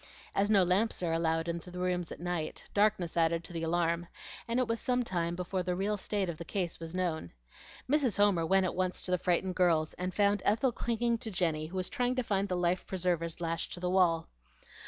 As no lamps are allowed in the rooms at night, darkness added to the alarm, and it was some time before the real state of the case was known. Mrs. Homer went at once to the frightened girls, and found Ethel clinging to Jenny, who was trying to find the life preservers lashed to the wall.